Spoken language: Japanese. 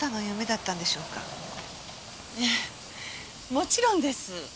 もちろんです。